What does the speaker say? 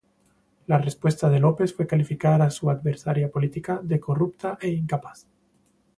La respuesta de López fue calificar a su adversaria política de "corrupta e incapaz".